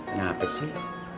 ini apa sih